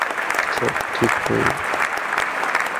সব ঠিক নেই।